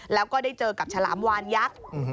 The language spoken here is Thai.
แล้วก็ได้เจอกับฉลามวานยักษ์